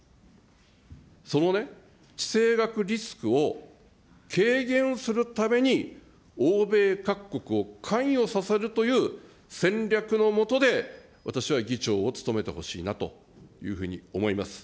そのね、地政学リスクを軽減するために、欧米各国を関与させるという戦略のもとで、私は議長を務めてほしいなというふうに思います。